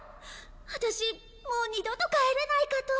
ワタシもう二度と帰れないかと。